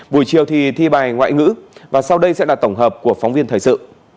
buổi chiều thì thi bài ngoại ngữ và sau đây sẽ là tổng hợp của phóng viên thời sự